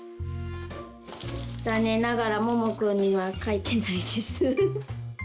残念ながらももくんにはかいてないです。